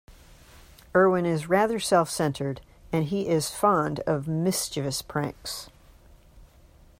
Erwin is rather self-centered, and he is fond of mischievous pranks.